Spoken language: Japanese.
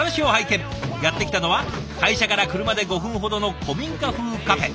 やって来たのは会社から車で５分ほどの古民家風カフェ。